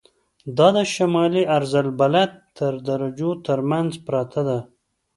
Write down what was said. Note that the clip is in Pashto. دا د شمالي عرض البلد تر درجو تر منځ پرته ده.